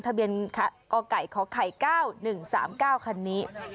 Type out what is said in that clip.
ทะเบียนกไก่ขไข่๙๑๓๙คันนี้